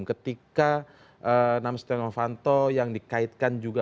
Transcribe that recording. ketika namaste novanto yang dikaitkan juga